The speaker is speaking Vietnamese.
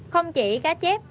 không chỉ cá chép